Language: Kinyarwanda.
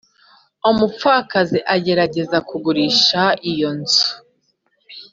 umupfakazi agerageza kugurisha iyo nzu,